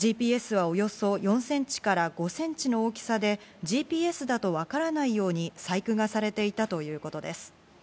ＧＰＳは、およそ４センチから５センチの大きさで、ＧＰＳとわからないように細工がされていたということです。